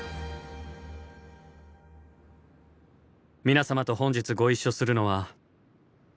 皆様と本日ご一緒するのは。